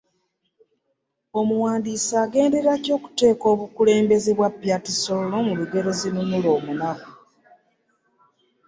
Omuwandiisi agenderera ki okuteeka obukulembeze bwa Pyati Sololo mu lugero Ezinunula omunaku?